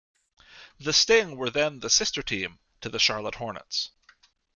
The Sting were then the sister team to the Charlotte Hornets.